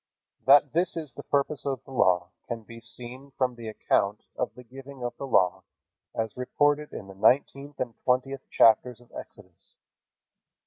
That this is the purpose of the Law can be seen from the account of the giving of the Law as reported in the nineteenth and twentieth chapters of Exodus.